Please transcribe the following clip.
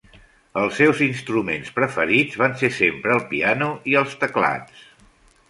Els seus instruments preferits van ser sempre el piano i els teclats.